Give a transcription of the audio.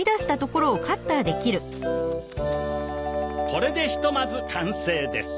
これでひとまず完成です。